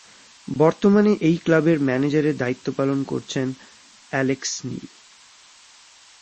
বর্তমানে এই ক্লাবের ম্যানেজারের দায়িত্ব পালন করছেন অ্যালেক্স নিল।